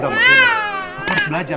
gak mungkin mama harus belajar